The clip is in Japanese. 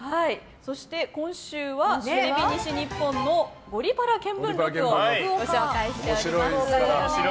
そして今週はテレビ西日本の「ゴリパラ見聞録」をご紹介しております。